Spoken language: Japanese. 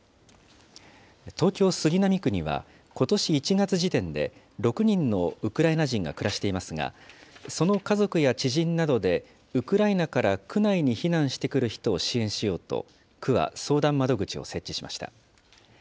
東京・杉並区にはことし１月時点で６人のウクライナ人が暮らしていますが、その家族や知人などでウクライナから区内に避難してくる人を支援しようと、区は相談窓口を設置しました。